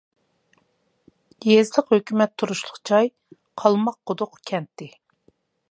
يېزىلىق ھۆكۈمەت تۇرۇشلۇق جاي قالماق قۇدۇق كەنتى.